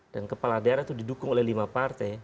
dan kepala daerah itu didukung oleh lima partai